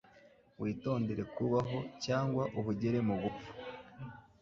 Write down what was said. Witondere kubaho cyangwa uhugire mu gupfa.